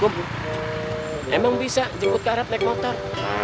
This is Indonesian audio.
gom emang bisa jemput ke arab naik motor